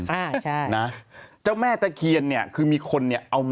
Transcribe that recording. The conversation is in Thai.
ซัสนะเจ้าแม่ตะเคียนคือมีคนนี่เอาแม็กช์